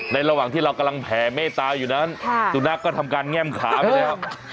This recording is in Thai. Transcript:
ระหว่างที่เรากำลังแผ่เมตตาอยู่นั้นสุนัขก็ทำการแง่มขาไปแล้ว